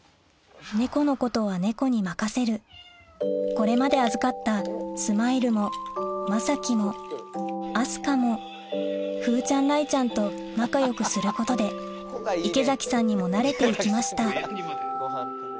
猫のことは猫に任せるこれまで預かったスマイルもまさきも明日香も風ちゃん雷ちゃんと仲よくすることで池崎さんにもなれて行きました